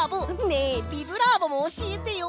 ねえ「ビブラーボ！」もおしえてよ！